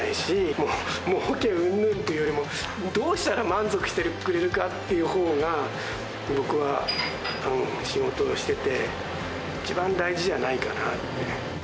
もうもうけうんぬんというよりも、どうしたら満足してくれるかっていうほうが、僕は仕事をしてて、一番大事じゃないかなって。